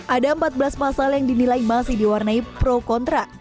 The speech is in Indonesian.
ada empat belas pasal yang dinilai masih diwarnai pro kontra